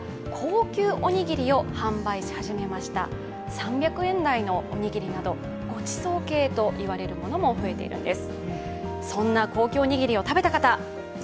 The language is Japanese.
３００円台のおにぎりなどごちそう系といわれるものも増えているんです。